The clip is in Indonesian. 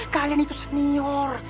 kalian itu senior